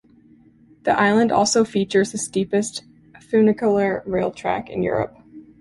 The island also features the steepest funicular rail track in Europe.